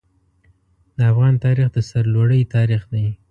د افغان تاریخ د سرلوړۍ تاریخ دی.